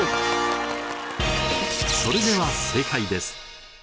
それでは正解です。